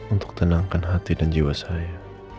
untuk tenangkan hati dan jiwa saya